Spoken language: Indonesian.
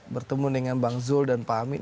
bertemu dengan bang zul dan pak amin